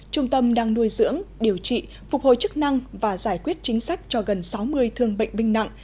trung tâm đang nuôi dưỡng điều trị phục hồi chức năng và giải quyết chính sách cho gần sáu mươi thương bệnh binh nặng